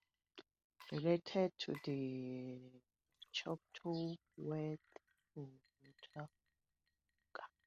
Related to the Choctaw word for water, "oka".